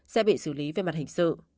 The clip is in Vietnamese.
sẽ bị xử lý về mặt hình sự